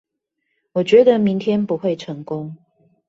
我覺得明天不會成功